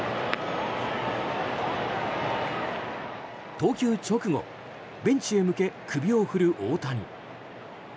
投球直後ベンチへ向け首を振る大谷。